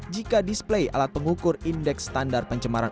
jika display alat pengukur indeks standar pencemaran